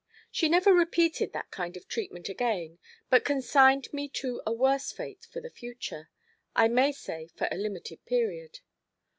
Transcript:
She never repeated that kind of treatment again, but consigned me to a worse fate for the future—I may say for a limited period.